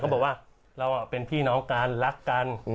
บอกว่าเราเป็นพี่น้องกันรักกัน